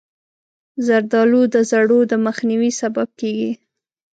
زردالو د زړو د مخنیوي سبب کېږي.